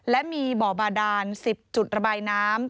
และมีบ่อบาดาน๑๐จุดระบายน้ำ